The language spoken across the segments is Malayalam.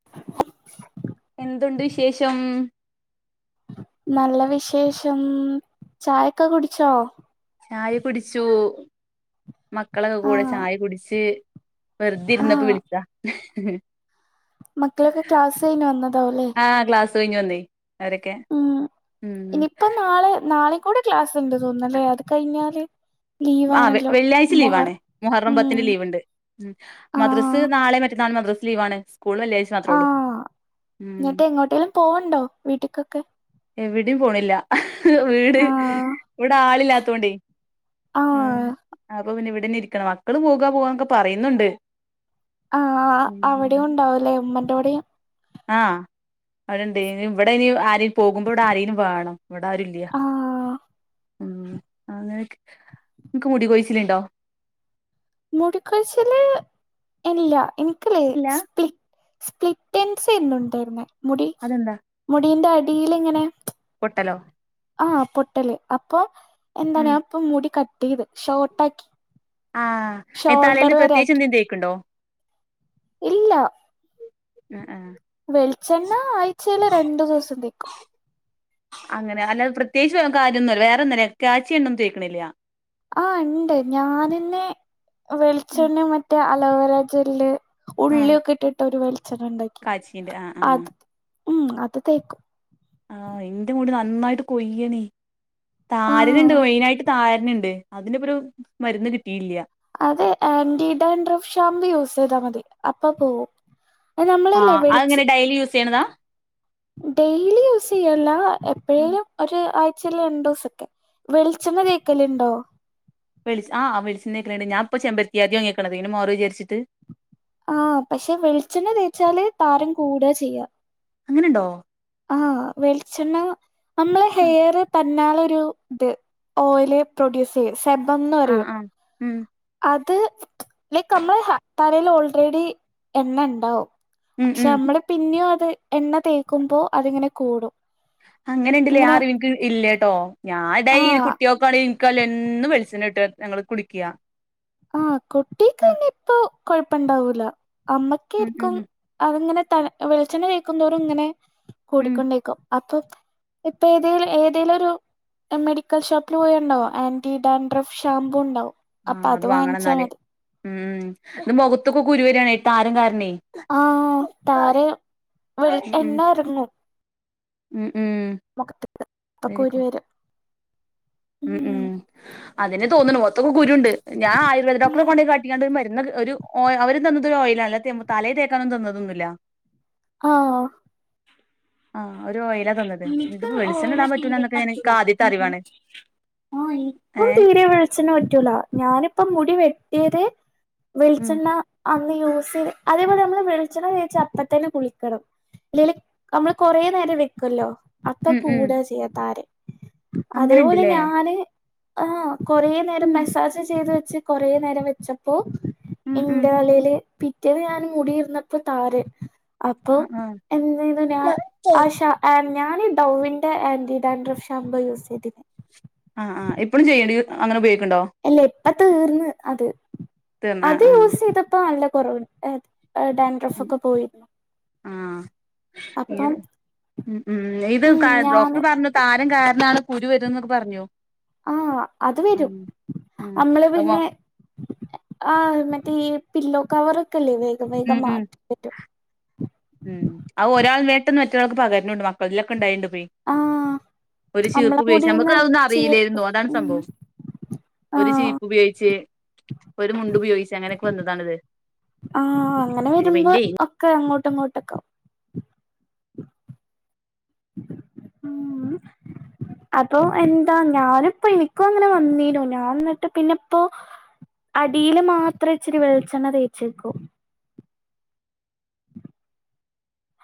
[inaudible] എന്തുണ്ട് വിശേഷം? നല്ല വിശേഷം ചായൊക്കെ കുടിച്ചോ.? ചായ കുടിച്ചു മക്കളൊക്കെ കൂടെ ആഹ് ചായ കുടിച്ച് വെർതിര് ന്നപ്പ ആഹ് വിളിച്ചാ. മക്കളൊക്കെ ക്ലാസ് കഴിഞ്ഞു വന്നതാവല്ലേ സയിഞ്ഞ് വന്നേ അവരൊക്കെ ഉം ഉം ഇനിയിപ്പം നാളെ നാളെ കൂടെ ക്ലാസ്ണ്ട് തോന്ന്ണില്ലേ അത് കഴിഞ്ഞാല്. ആ ലീവാണല്ലോ വെള്ളിയാഴ്ച മൊഹർ ലീവണ് മുഹറം ഉം പത്തിന്റെ ലീവ് ഉണ്ട്. മദ്രസ് ആഹ് നാളെ മറ്റന്നാൾ മദ്രാസ് ലീവണ് സ്കൂൾ വെള്ളിഴ്ച്ച. ആഹ് എന്നിട്ട് എങ്ങോട്ടേലും പോവണ്ടോ വീട്ടക്കൊക്കെ? എവിടയും പോണില്ല വീട് ആഹ് ഇവിടെ ആളില്ലാത്തോണ്ടേ. ഉം ആഹ് അപ്പൊ പിന്നെ ഇവിടന്ന് ഇരിക്കണം മക്കള് പോകാ പോവാന്നൊക്കെ പറയുന്നുണ്ട്. ആഹ് അവിടെയും ഉണ്ടാവൂലേ ഉമ്മന്റെ ടെയും. ആ അവിടെണ്ട് ഇവിടെ ഇനി ആരും പോകുമ്പോ ഇവിടെ ആരെങ്കിലും വേണം. ഇവിടെ ആരുല്ല ആഹ് ഉ അങ്ങനെക്കെ നിക്ക് മുടി കൊഴിച്ചില് ഉണ്ടോ? മുടിക്കൊഴിച്ചില് ഇല്ല എനിക്കല്ലേ ഇല്ല സ്പ്ലി സ്പ്ലിറ്റൻസ്ന്നു ഉണ്ടായിരുന്നേ മുടി അതെന്താ മുടീന്റെ അടിൽ ഇങ്ങനെ പൊട്ടലോ? ആഹ പൊട്ടല് അപ്പൊ എന്ത ഇപ്പ മുടി കട്ട് ചെയ്ത്. ആഹ എത്താലേൽ ഷോൾഡർ വരെ പ്രത്യേകിച്ച് ആക്കി എന്തെങ്കിതെക്ക്ണ്ടോ? ഇല്ല. ഉം ഉം വെളിച്ചെണ്ണ ആഴ്ചയിലിൽ രണ്ടു ദിവസം തേക്കും. അങ്ങനെ അല്ലാതെ പ്രത്യേകിച്ച് കാര്യൊന്നുംല്ല വേറെന്തല്ല കാച്ചിയഎണ്ണ ഒന്നും തെക്ക്ണില്ല. ആ ഉണ്ട് ഞാനന്നെ ഉം. വെളിച്ചെണ്ണ മറ്റേ അലോവര ജെല്ല് ഉള്ളി ആഹ് ഒക്കെ ഇട്ടിട്ട് ഒരു വെളിച്ചെണ്ണ ഉണ്ടാക്കി കാച്ചിണ്ട് ആഹ് ആഹ് അത് ഉം അത് തേക്കും. ആഹ എന്റെ മുടി നന്നായിട്ട് കൊയ്യണേ താരനുണ്ട് ആഹ് മെയിനായിട്ട് താരനുണ്ട്. അതിന് ഇപ്പരു മരുന്ന് കിട്ടിയില്ല. അതെ ആന്റിഡാൻഡ്രഫ് ഷാമ്പൂ യൂസ് ചെയ്താൽ മതി അപ്പ പോവും. അത് നമ്മളല്ലേ ആഹ വെളിച്ച് അതങ്ങനെ ഡെയിലി യൂസ് ചെയ്യണതാ. ഡെയിലി യൂസ് ചെയ്യല്ല ഉം. എപ്പോഴേലും ഒരു ആഴ്ചൽ രണ്ടു ദിവസൊക്കെ വെളിച്ചണ്ണ തേക്കലുണ്ടോ? വെളി ആ വെളിച്ചെണ്ണ തേക്കലണ്ട് ഞാ ഇപ്പോ ചെമ്പത്തിയാതി വാങ്ങിക്കണത് അതോണ്ട് മാറോ വിചരിച്ചട്ട്. ആഹ പക്ഷെ വെളിച്ചെണ്ണ തേച്ചാല് താരം കൂടുക ചെയ്യുക. അങ്ങനെണ്ടോ? ആഹ വെളിച്ചെണ്ണ നമ്മള് ഹെയർ തന്നാലൊരു ഇത് ഓയില് പ്രൊഡ്യൂസ് ചെയ്യും സെബം എന്ന് പറയും. മം അത് ലൈക്ക് നമ്മള് തലയിൽ ഓൾറെഡി എണ്ണ ഉണ്ടാവും. ഉം പക്ഷെ ഉം നമ്മള് പിന്നെയും അത് എണ്ണ തേക്കുമ്പോ അതിങ്ങനെ കൂടും അങ്ങനെണ്ടല്ലേ ആ ഇങ്ങനെ അറിവ്എനിക്ക് ഇല്ലട്ടോ ഞാൻ ടൈ ആഹ് കുട്ടിയക്കൊ കളി നിക്കാല് എന്നും വെളിചണ്ണട്ട ഞങ്ങള് കുളിക്കുക. ആഹ കുട്ടിക്ക്ന്നെ ഇപ്പൊ കൊഴപ്പ ണ്ടാവൂല അമ്മക്ക് ആയിരിക്കും. ഉം അതിങ്ങനെ ത വെളിച്ചെണ്ണ തേക്കുംന്തോറും ഇങ്ങനെ ഉം കൂടിക്കൊണ്ടേക്കും. അപ്പൊ ഇപ്പൊ ഏതേലും ഏതെലൊരു മെഡിക്കൽ ഷോപ്പിൽ പോയണ്ടാവ ആന്റി ഡാൻഡ്രഫ് ഷാംമ്പൂ ഉണ്ടാവും അപ്പൊ ആഹ് അത് വാങ്ങണം വാങ്ങിച്ചാ എന്നാല് മതി ഉം ഉ ഇത് മുഖത്തൊക്കെ കുരു വരയാണ് താരം കാരണേ ആഹ താരെ വെള് ഉം ഉം എണ്ണയിറങ്ങും ഉം ഉം മുഖത്തിക്ക് അപ്പൊകുരു അതായിരിക്കും വരും ഉം ഉം അതനെ തോന്നുന്നു മുഖത്തൊക്കെ കുരുണ്ട് ഞാൻ ആയുർവേദ ഡോക്ടറെ ഉം കൊണ്ടയി കാട്ടി മരുന്ന ഒരുഓ അവര് തന്നത് ഒരു ഓയിലാല്ല തലേ തേക്കാനന്നും തന്നതൊന്നുമില്ല. ആഹ ആ ഒരു ഓയില തന്നത് എനിക്ക് ഇതിപ്പോ വെളിച്ചണ് ഇടാൻ ഓയില് പറ്റുല്ല തീരെ എന്നൊക്കെ എനിക്ക് ആദ്യത്തെ അറിവാണ്. ആ ഇപ്പം ഏഹ് തി ച്ചെണ്ണ പറ്റൂല ഞാനിപ്പം മുടി വെട്ടിയത് ഉം വെളിച്ചെണ്ണ അന്ന് യൂസ് ചെയ്ത് അതേപോലെ മ്മള് വെളിച്ചെണ്ണ തേച്ചപ്പത്തന്നെ കുളിക്കണം അല്ലെല് അമ്മള് കുറേ നേരം വെ ക്കല്ലോ അപ്പൊ ഉം ഉം കൂട ചെയ്യ താരെ അതേപോലെ അങ്ങനെണ്ട്ല്ലേ ഞാന് ആഹ കൊറേ നേരം ഉം മെസാജ് ചെയ്ത് വെച്ച് കൊറേ നേരം വെച്ചപ്പോ ഉം ഉം എന്റെതലയില് പിറ്റേന്ന് ഞാന് മുടിയിരുന്നപ്പോ താരൻ ആ അപ്പൊ ആ എന്ത് ചെയ്തു ഞാൻ ആശാ എ ഞാന് ഡൗവിന്റെ ആൻറി ഡാൻഡ്രഫ് ഷാമ്പൂ യൂസ് ചെയ്തെ അ ആ എപ്പളും ചെയ്യണ്ട് അ അങ്ങനെ ഉപയോഗിക്കണ്ടോ ഇല്ല ഇപ്പ തീർന്ന് അത് തീർന്ന ആ അത് ആ യൂസെയ്തപ്പോ നല്ല കുറവ് എ ഏ ഡാൻഡ്രഫൊക്കെ പോയി ആ ഇ ഉം ഉ ഇത് ഉം കാ ഞാന് ഡോക്ടർ പറഞ്ഞ താരൻ കാരണാണ് കുരു വരുന്നൊക്കെ പറഞ്ഞോ ആ അത് വരും ഉം അമ്മള് അപ്പൊ പിന്നെ എ ആ മറ്റേ ഈ പില്ലോക്കവറൊക്കെല്ലേ വേഗം ഉം വേഗം ഉം മാറ്റി പറ്റും ഉം അയ് ഒരാൾ വേട്ടെന്ന് മറ്റൊരാൾക്ക് പകരുന്നുണ്ട് മക്കളതിലൊക്കെ ഉണ്ടായിണ്ട് പോയി ആ ഒരു ചീർപ്പ് നമ്മളെ ഉപയോഗിച്ച് നമ്മക്ക് മുടീന്ന് അതൊന്നും അറിയില്ലേര്ന്നു ചീർക്കും അതാണ് ഉം സംഭവം ആ ഒരു ചീപ്പുപയോഗിച്ച് ഒരു മുണ്ട് ഉപയോഗിച്ചങ്ങനൊക്കെ വന്നതാണിത് ആ അങ്ങനെ വരുമ്പോ ഒക്കെ അങ്ങോട്ടിങ്ങോട്ടൊക്കാവും ഉം അപ്പൊ എന്താന്ന് ഞാനിപ്പോയെനിക്കു അങ്ങന വന്നീലോ ഞാൻ എന്നിട്ട് പിന്നെ ഇപ്പോ അടിയില് മാത്രം ഇച്ചിരി വെളിച്ചെണ്ണ തേച്ചേക്കൂ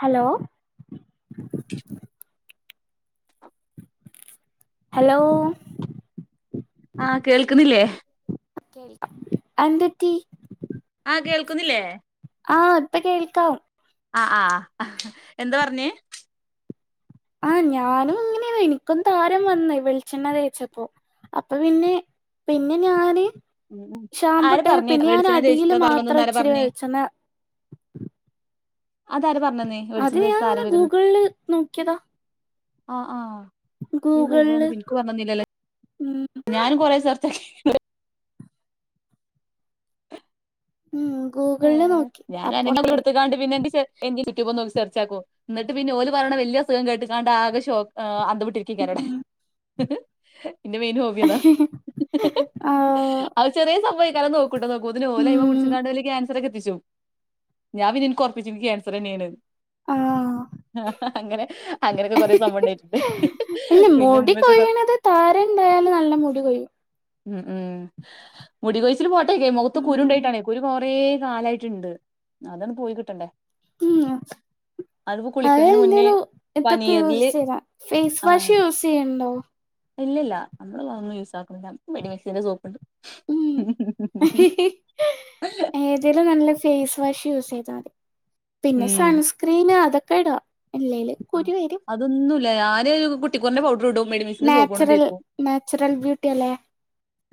അലോ ഹലോ ആ കേൾക്ക്ന്നില്ലേ ഹ് അഎന്ത് പറ്റി ആ കേൾക്കുന്നില്ലേ ആ ഇപ്പ കേൾക്കാം ആ ആ ഹ് എന്ത് പറഞ്ഞേ ആ ഞാനും ഇങ്ങനെയ ഇപ്പം താരൻ വന്ന് വെളിച്ചെണ്ണ തേച്ചപ്പോ അപ്പൊൾ പിന്നെ പിന്നെ ഞാന് ആര് ഷാമ്പുട്ട് പറഞ്ഞേ പിന്നെ വെളിച്ചെണ്ണ ഞാനടീല് തേച്ചിട്ടാ തല മാത്രം വന്നന്ന് ആരാ ഇച്ചിരി പറഞ്ഞേ വെളിച്ചെണ്ണ അതാരാ പറഞ്ഞന്നേ അത് വെളിച്ചം തേച്ച് താരൻ ഞാനിങ്ങനെ വരുന്ന് ഗൂഗ്ൾല് നോക്കിയതാ അഹ് ആഹ് ഗൂഗിൾള് ഉം ഞാനും കൊറേ സെർച്ചെയ് ഉം ഗൂ ഏഹ് ഞാന [unintelligible] എട്ത്തുങ്ങാണ്ട് പിന്നെ എന്റെ സെർ [unintelligible] യൂട്യൂബ്യും നോക്കി സെർച്ചാക്കോ എന്നിട്ട് പിന്നെ ഓല് പറയണ വെല്ല്യ അസുഖം കേട്ട്ങ്ങാണ്ട് ആകെ ഷോ ആഹ് അന്തം വിട്ടി ട്ടിരിക്കാരോട ഉം എന്റെ മെയിൻ ഹോബിയതാ ആഹ് അത് ചെറിയ സംഭവ [unintelligible] നോക്കുട്ട നോക്കുമ്പത്തന്നെ ഓലയ്മെ ഉം പുടിച്ച്ങ്ങാണ്ട് അയില് ക്യാൻ [unintelligible] ച്ചു ഞാൻ പിന്നയെനിക്കുറപ്പിച്ചു നിക്ക് ക്യാൻസറന്നേണ്ന്ന് ആഹ് അങ്ങനെ അങ്ങനൊക്കെ കൊറേ സംഭവുണ്ടായിട്ടുണ്ട് പിന്നുമ്മയൊക്കെ കൊ താരെണ്ടായാല് നല്ല മുടി കൊഴിയും ഉം ഉം മുടി കൊയ്ച്ചില് പോട്ടേക്ക മുഖത്ത് ഉം കുരുണ്ടായിട്ടാണ്‌ കുരു കൊറേ കാലായ്ട്ടിണ്ട് അതങ്ങട് പോയി കിട്ടണ്ടേ ഉം അതിപ്പോ കുളിക്കുന്നതിന് മുന്നേ അതെന്തൊരു ഇതൊക്കെ യൂസ് പനീറില് ചെയത ഫേസ് ആ വാഷ് യൂസ് ചെയ്യണ്ടോ ഇല്ലില്ല നമ്മള് അതൊന്നും യൂസാക്കണില്ല നമക്ക് മെടിമിക്സിന്റെ സോപ്പിണ്ട് ഉം ഏതേലും നല്ല ഫേസ് വാഷ് യൂസ് ചെയ്താ മതി പിന്നെ ഉം സൺസ്ക്രീന് അതൊക്കെ ഇടാ ഇല്ലേല് ആഹ് കുരു വരും അതൊന്നുവില്ല ഞാന് കുട്ടിക്കൂറിന്റെ പൗഡർ ഇടും മെഡിമിക്സിന്റെ സോപ്പ്വാണ് നാച്ചുറൽ തേക്കും നാച്ചുറൽ ബ്യൂട്ടി അല്ലേ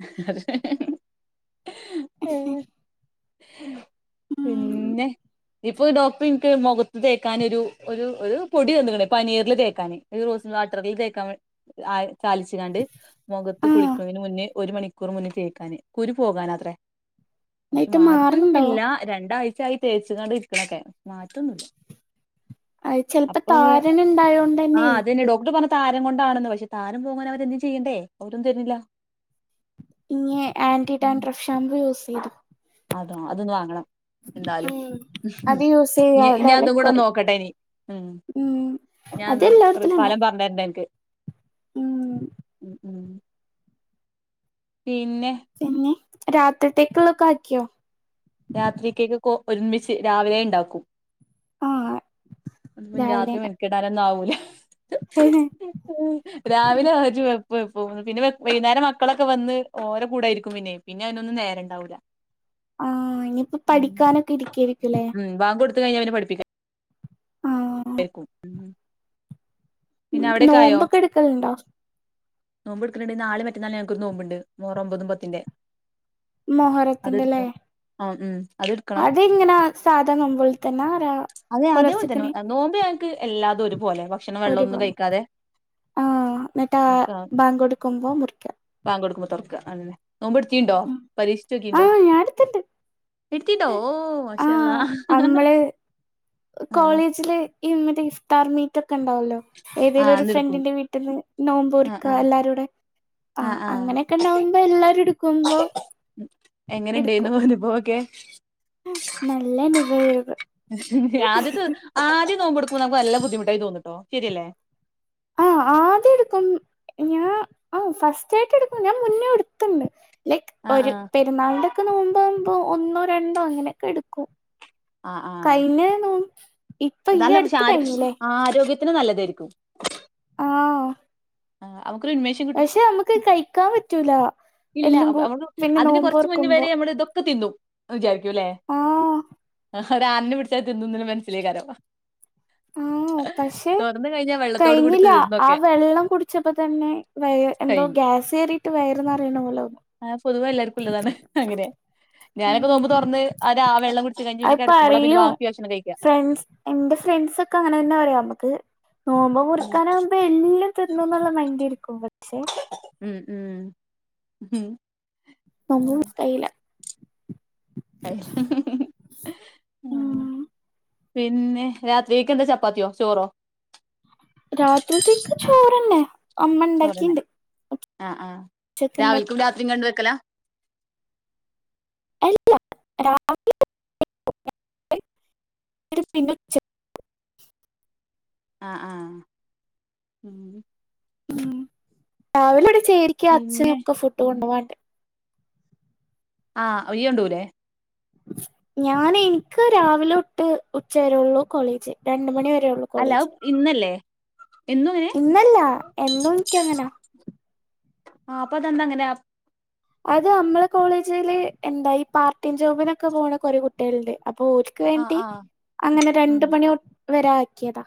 ഏ [unintelligible] ഉം പിന്നെ ഇപ്പൊ ഡോക്ടർ ഇനിക്ക് മുഖത്ത് തേക്കാനൊരു ഒരു ഒരു പൊടി തന്നേക്കണ് പനീറില് തേക്കാന് ഒര് റോസിം വാട്ടറിൽ തേക്കാൻ വേ ആഹ് ചാലിച്ചിങ്ങാണ്ട് മൊഖത്ത് ആഹ് കുളിക്കണേന് മുന്നേ ഒരു മണിക്കൂർ മുന്നേ തേക്കാന് കുരു പോകാനാത്രേ പക്ഷെ എന്നിട്ട് മാറുണ്ടോ മാറ്റൊന്നുംപ്പില്ല രണ്ടാഴ്ച്ചായി തേച്ചുങ്ങാണ്ട് ഇരിക്കണക്കെ മാറ്റൊന്നുല്ല അത് ചെലപ്പോ അപ്പം വെ താരൻ ഉണ്ടായോണ്ടന്നെ ആഹ് അതന്നെ ഡോക്ടർ പറഞ്ഞ താരൻ കൊണ്ടാണെന്ന് പക്ഷെ താരൻ പോകാൻ അവരെന്തേലും ചെയ്യണ്ടേ അവരൊന്നും തരുന്നില്ല ഇനീ ആന്റിഡാൻട്രഫ് ഷാംമ്പു യൂസെയ്തു അതാ അതൊന്ന് വാങ്ങണം എന്തായാലും ഉം അത് യൂസ് ഇനി ഇനി ചെയ്താല് അതും കൂടെ കൊറയും നോക്കട്ടെ ഇനി ഉം അത് ഞാനത് ഒരു എല്ലായിടത്തിലും ഫലം ഉണ്ടാവും പറഞ്ഞരണ്ട എൻക്ക് ഉം ഉം ഉം പിന്നെ പിന്നെ രാത്രിത്തേ‌ക്കിള്ളൊക്കെ ആക്കിയോ രാത്രിക്കിക്കെക്കൊ ഒരുമിച്ച് രാവിലെ ഇണ്ടാക്കും ആഹ് അത് പിന്നെ രാത്രി രാവിലെന്നെ മെനക്കിടാനൊന്നും ആവൂല്ല [unintelligible] ഉ [unintelligible] രാവിലെ ആജ് വെപ്പ് വെപ്പും പിന്നെ വെ വൈകുന്നേരം മക്കളൊക്കെ വന്ന് ഓര കൂടേയിരിക്കും പിന്നെ പിന്നെ അയ്നൊന്നും നേരെണ്ടാവൂല്ല ആഹ് ഇനിയിപ്പ പഠിക്കാനൊക്കെ ഇരിക്കേയിരിക്കുല്ലേ ഉം ബാങ്ക് കൊടുത്ത് കഴിഞ്ഞ പിന്നെ പഠിപ്പിക്കാ ആഹ് നിരിക്കും ഉം പിന്നെ അവിടേക്ക ആയോ നോമ്പൊക്കെ എടുക്കലുണ്ടോ നോമ്പ് എടുക്കനെണ്ട് നാളേം മറ്റന്നാളും ഞങ്ങക്കൊരു നോമ്പിണ്ട് മുഹറം ഒമ്പതും പത്തിന്റെ മൊഹറത്തിന്റല്ലേ ആഹ് ഉം അതിട്ക്ക് അതിങ്ങനാ സാധാ നോമ്പോലത്തന്നാ രാ അതെ അതേപോലെ പൊലർച്ചിക്ക് തന്നെ എണീ നോമ്പ് ഞങ്ങക്ക് എല്ലാതും ഒരുപോലെ വ ഒര് [unintelligible] എന്നിട്ടാ ബാങ്കൊടുക്കുമ്പോ മുറിക്കാ. ബാങ്കടുക്കുമ്പോ തൊർക്ക അതന്നെ നോമ്പെട്ത്തീണ്ടോ പരീക്ഷിച്ചോക്കിണ്ടോ? ആഹ് ഞാൻ എടുത്തിണ്ട് എട്‌ത്തീന്നോ ഓ മാഷാഅള്ളാ ആഹ് നമ്മള് ആഹ്. [unintelligible] ഈ മറ്റെ ഇഫ്ത്താർ മീറ്റൊക്കെ ഇണ്ടാവൊല്ലോ. ആ ഏതേലൊരു അന്നെടുക്കും ഫ്രണ്ടിന്റെ വീട്ടിന്ന് ആ ആ നോമ്പ്റിക്ക എല്ലാരൂടെ. ആ ആഹ് ആ അങ്ങനെയൊക്കെ നോമ്പ് എല്ലാരും എടുക്കുമ്പോ ഉം. എങ്ങനെ ഇണ്ടേന്നു? അനുഭവൊക്കെ. ആ നല്ലന്നെവേവ്. ആദ്യത്തെ ആദ്യം നോമ്പെ ടുക്കുമ്പോ നമുക്ക് നല്ല ബുദ്ധിമുട്ടായി തോന്നുട്ടോ ശരിയല്ലേ? ആ ആദ്യം എട്ക്കും ഞാൻ ആ ഫസ്റ്റായിട്ട് എടുക്കും ഞാൻ മുന്നേ എടുത്ത്ണ്ട്. ലൈക് ആ ഒര് ആ പെര്ന്നാളിന്റെ ഒക്കെ നോമ്പാവുംമ്പോ ഒന്നോ രണ്ടോ അങ്ങനെയൊക്കെ എടുക്കും. ആ ആ കഴിഞ്ഞ നോമ്പ ഇപ്പൊ ഈ അട്ത്ത് കയ്ഞ്ഞിലേ ആരോഗ്യ ത്തിന്‌ നല്ലതായ്ര്ക്കും. ആഹ്. ആ അവക്കൊരുൻമേഷം പക്ഷെ അമ്മക്ക് അഹ് കഴിക്കാൻ പറ്റൂല. ഇല്ല എല്ലും അവ കൂ അവളു പിന്നെ അതിന് കൊറച്ച് മുന്നെ നോമ്പോർക്കുമ്പോ വരെ അമ്മള് ഇതൊക്കെ തിന്നും ന്ന് വിചാരി ക്കൂലെ ആഹ് ഒരാടിനെ പിടിച്ചാ തിന്നുംന്നിന് മനസ്സിലേക്കാരോ ഓഹ് പക്ഷെ ത് കയിഞ്ഞ വെ കയിഞ്ഞില്ല ആ വെള്ളം കുടിച്ചപ്പോ തന്നെ വെ എന്തോ കഴിഞ്ഞു ഗ്യാസ് കേറി ട്ട് വയറ് നെറയണ പോലോ ആഹ് പൊതുവെ എല്ലാർക്കും ഉള്ളതാണ് അങ്ങനെ ഞാനൊക്കെ നോമ്പ് ഉം തൊറന്ന് അത് ആ വെള്ളം കുടിച്ച് കഴിഞ്ഞ് പിന്നെ അത് കെടക്കുമ്പോള പിന്നെ പറയും ബാക്കി ഭക്ഷണം കഴിക്കാ ഫ്രണ്ട്സ് എന്റെ ഫ്രണ്ട്സ്സൊക്കെ അങ്ങനെ തന്ന പറയാ അമ്മുക്ക് നോമ്പ് മുറിക്കാനും ഇപ്പൊ എണ്ണിലും തിന്നുംന്നുള്ള മൈൻഡി ഇരിക്കുമ്പോ ഉം ഉം ഹും നല്ല മുട്ടായല്ല അയ് [unintelligible] ഉം പിന്നെ രാത്രിക്കെക്കെന്താ ചപ്പാത്തിയോ ചോറോ? രാത്രിത്തേക്ക് ചോറ് തന്നെ. ചോറിന്, ആഹ് ആഹ് ഉച്ചക്ക് ഇണ്ടാക്കി രാവിൽക്കും രാത്രിം കണ്ട് വെക്കലാ? അല്ല [unintelligible] പിന്നെ ഉച്ച ആഹ് ആഹ് ഉം ഉം രാവിലവിടെ ചേരിക്കും പിന്നെ അച്ഛനൊക്കെ ഫുഡ്‌ കൊണ്ടോവാണ്ട് ആഹ് ഇയ്യൊണ്ടോവൂലെ ഞാന് ഇൻക്ക് രാവിലൊട്ട് ഉച്ച വരൊള്ളൂ കോളേജ് രണ്ട്മണി വരെ ഒള്ളൂ അല്ല കോളേജ്, അത് ഇന്നല്ലേ എന്നും അങ്ങനെ ഇന്നല്ല എന്നും ഇൻക്ക്യങ്ങനാ. ആഹ് അപ്പ അതെന്താ അങ്ങനെ അത് നമ്മളെ കോളേജില് എന്താ ഈ പാർട്ട് ടൈം ജോബിനൊക്കെ പോണ കൊറെ കുട്ട്യാളുണ്ട്, അപ്പൊ ഓര്. ക്ക് ആഹ് വേണ്ടി ആഹ് അങ്ങനെ രണ്ട് മണി ഒ വരാക്കിയതാ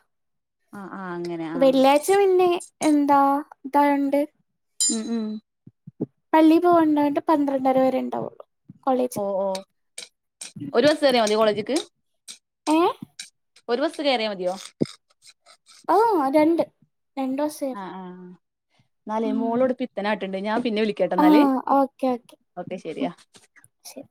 ആഹ് ആഹ് അങ്ങനെ ആഹ് വെള്ള്യാഴ്ച പിന്നെ എന്താ ഇതായൊണ്ട് ഉം ഉം പള്ളി പോവാണ്ടോണ്ട് പന്ത്രണ്ടര വരെ ഇണ്ടാവൊള്ളു കോളേജ് ഓഹ് ഓഹ് ഉം ഒരു ബസ് കയറിയാ മതിയോ കോളേജ്ക്ക് ഏഹ്. ഒരു ബസ് കയറിയാ മതിയോ? ഓഹ് രണ്ട് രണ്ട് വസ്സ് ആഹ് ആഹ് എന്നാലെ മോള് ഇവിടെ പിത്തനാട്ട് ഉണ്ട് ഞാൻ പിന്നെ വിളിക്ക് കേട്ടോ എന്നാല്. ആഹ് ഓക്കെ ഓക്കെ ഉം ശെരിയാ ശരി